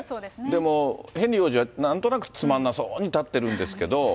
でも、ヘンリー王子はなんとなくつまんなそうに立ってるんですけど。